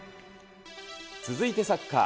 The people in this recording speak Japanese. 続いてサッカー。